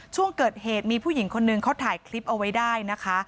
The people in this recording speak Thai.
ช่วงเกิดเหตุมีผู้หญิงคนนึงเขาถ่ายคลิปเอาไว้ได้นะคะ